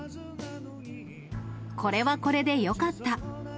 これはこれでよかった。